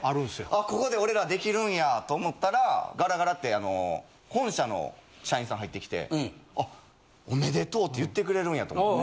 あここで俺らできるんやと思ったらガラガラって本社の社員さん入ってきてあっおめでとうって言ってくれるんやと思って。